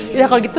yaudah kalau gitu